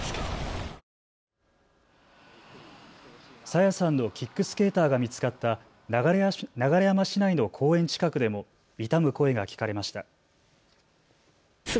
朝芽さんのキックスケーターが見つかった流山市内の公園近くでも悼む声が聞かれました。